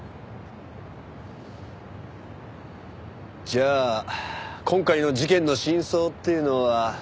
じゃあ今回の事件の真相っていうのは。